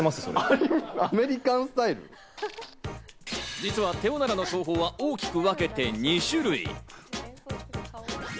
実は手おならの奏法は大きく分けて２種類。